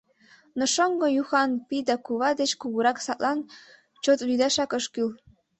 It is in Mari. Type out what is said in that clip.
Но шоҥго Юхан пий да кува деч кугурак, садлан чот лӱдашак ыш кӱл.